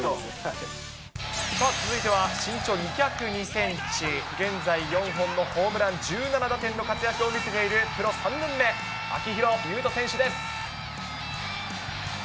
続いては身長２０２センチ、現在４本のホームラン１７打点の活躍を見せているプロ３年目、秋広優人選手です。